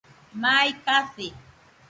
Mai kasi